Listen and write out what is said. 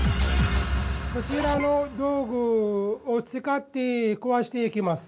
こちらの道具を使って壊していきます。